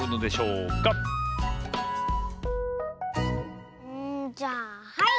うんじゃあはい！